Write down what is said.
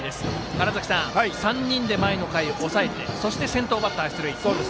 川原崎さん、前の回３人で抑えて、そして先頭バッター出塁。